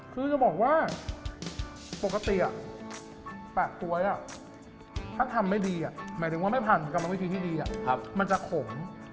คือจะบอกว่าปกติอ่ะ๘สวยอ่ะถ้าทำไม่ดีอ่ะหมายถึงว่าไม่ผ่านกำลังวิธีที่ดีอ่ะครับมันจะขม